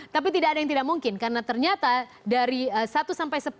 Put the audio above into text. tapi tidak ada yang tidak mungkin karena ternyata dari satu sampai sepuluh